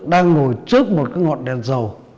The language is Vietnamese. đang ngồi trước một ngọn đèn dầu